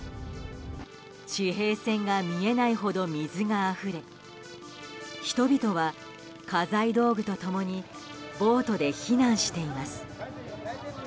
地平線が見えないほど水があふれ人々は家財道具と共にボートで避難しています。